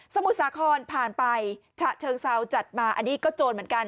มุสาครผ่านไปฉะเชิงเซาจัดมาอันนี้ก็โจรเหมือนกัน